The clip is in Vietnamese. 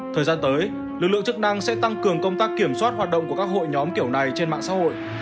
thời gian tới lực lượng chức năng sẽ tăng cường công tác kiểm soát hoạt động của các hội nhóm kiểu này trên mạng xã hội